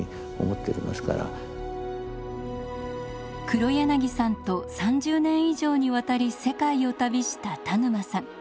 黒柳さんと３０年以上にわたり世界を旅した田沼さん。